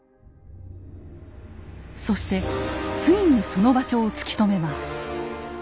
そしてついにその場所を突き止めます。